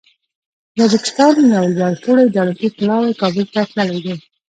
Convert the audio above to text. د تاجکستان یو لوړپوړی دولتي پلاوی کابل ته تللی دی.